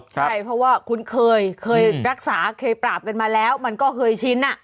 ใช่เพราะว่าคุณเคยรักษาเคยปราบกันมาแล้วมันก็เคยชิน